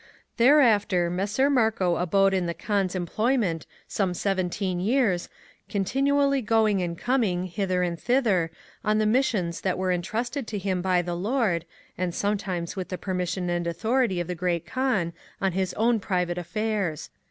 Thereafter Messer Marco abode in the Kaan's employ ment some seventeen years, continually going and coming, hither and thither, on the missions that were entrusted to him by the Lord [and sometimes, with the permission and authority of the Great Kaan, on his own private affairs.